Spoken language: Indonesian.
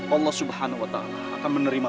allah subhanahu wa ta'ala akan menerima